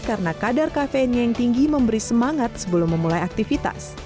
karena kadar kafeinnya yang tinggi memberi semangat sebelum memulai aktivitas